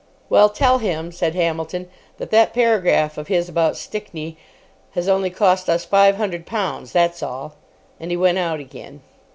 'Well, tell him,' said Hamilton, 'that that paragraph of his about Stickney has only cost us five hundred pounds. That's all.' And he went out again.